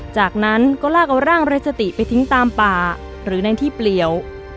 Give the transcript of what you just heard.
จากนั้นก็ลากเอาร่างไร้สติไปทิ้งตามป่าหรือในที่เปลี่ยว